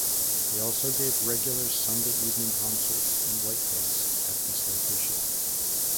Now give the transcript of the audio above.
They also gave regular Sunday-evening concerts in whiteface at this location.